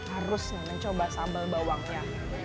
harus mencoba sambal bawangnya